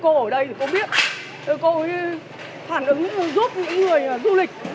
cô ở đây thì cô biết cô phản ứng giúp những người du lịch